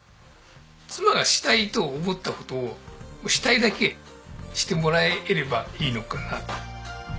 妻がしたいと思った事をしたいだけしてもらえればいいのかな。